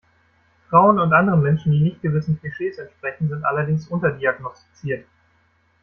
Frauen und andere Menschen, die nicht gewissen Klischees entsprechen, sind allerdings unterdiagnostiziert.